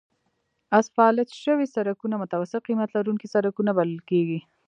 اسفالت شوي سړکونه متوسط قیمت لرونکي سړکونه بلل کیږي